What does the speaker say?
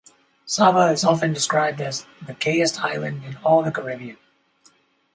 Saba is often described as "the gayest island in all the Caribbean".